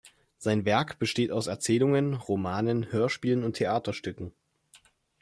Sein Werk besteht aus Erzählungen, Romanen, Hörspielen und Theaterstücken.